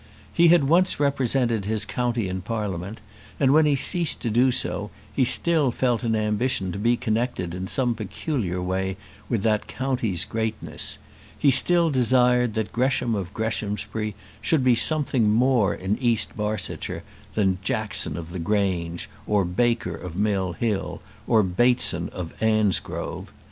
He had once represented his county in Parliament, and when he ceased to do so he still felt an ambition to be connected in some peculiar way with that county's greatness; he still desired that Gresham of Greshamsbury should be something more in East Barsetshire than Jackson of the Grange, or Baker of Mill Hill, or Bateson of Annesgrove.